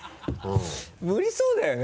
無理そうだよね？